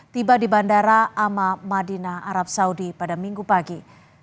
tiba di bandara ama madinah arab saudi pada minggu pagi